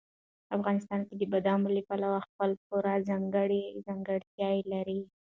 افغانستان د بادامو له پلوه خپله پوره ځانګړې ځانګړتیا لري.